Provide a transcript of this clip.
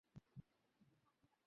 ছেলেটার বাড়ি কোথায়?